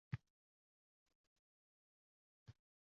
Uzr so'rayman